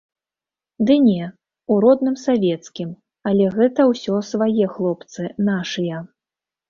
Ды не, у родным савецкім, але гэта ўсё свае хлопцы, нашыя.